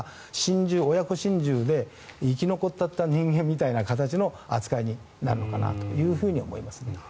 親子心中で生き残った人間みたいな形の扱いになるのかなというふうに思いますね。